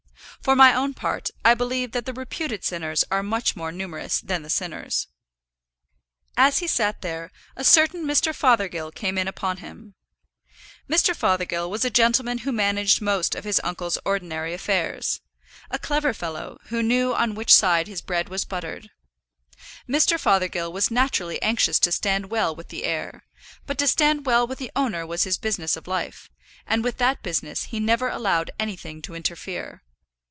For my own part, I believe that the reputed sinners are much more numerous than the sinners. As he sat there, a certain Mr. Fothergill came in upon him. Mr. Fothergill was a gentleman who managed most of his uncle's ordinary affairs, a clever fellow, who knew on which side his bread was buttered. Mr. Fothergill was naturally anxious to stand well with the heir; but to stand well with the owner was his business in life, and with that business he never allowed anything to interfere.